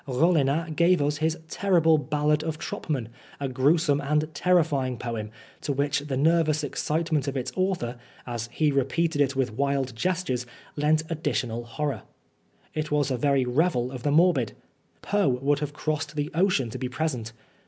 Rollinat gave us his terrible Ballad of Troppmann, a gruesome and terrifying poem, to which the nervous excitement of its author, as he repeated it with wild gestures, lent additional horror. It was a very revel of the morbid. Poe would have crossed the ocean to be present.